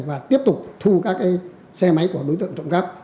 và tiếp tục thu các xe máy của đối tượng trộm cắp